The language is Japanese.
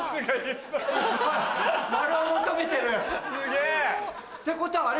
すげぇ！ってことはあれ。